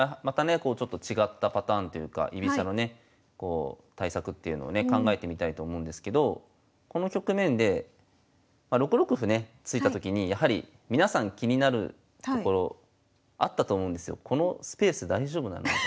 こうちょっと違ったパターンというか居飛車のね対策っていうのをね考えてみたいと思うんですけどこの局面で６六歩ね突いたときにやはり皆さん気になるところあったと思うんですよ。